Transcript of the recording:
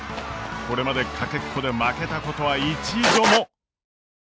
これまでかけっこで負けたことは一度も。